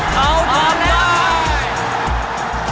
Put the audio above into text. เขาทำได้